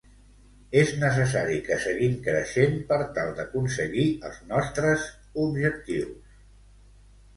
És necessari que seguim creixent per tal d'aconseguir els nostres objectius.